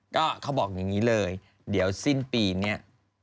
ก็เขาบอกอย่างนี้เลยเดี๋ยวสิ้นปีนี้